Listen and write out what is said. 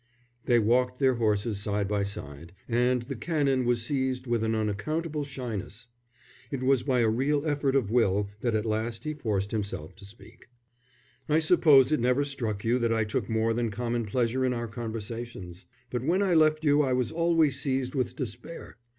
They walked their horses side by side, and the Canon was seized with an unaccountable shyness. It was by a real effort of will that at last he forced himself to speak. "I suppose it never struck you that I took more than common pleasure in our conversations. But when I left you I was always seized with despair.